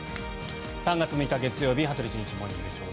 ３月６日、月曜日「羽鳥慎一モーニングショー」。